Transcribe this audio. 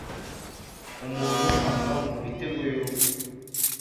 umuntu ava mu mitego y’urupfu